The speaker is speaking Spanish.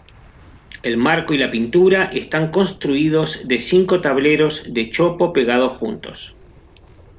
El marco y la pintura están construidos de cinco tableros de chopo pegados juntos.